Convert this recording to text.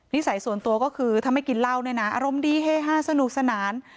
สัยส่วนตัวก็คือถ้าไม่กินเหล้าเนี่ยนะอารมณ์ดีเฮฮาสนุกสนาน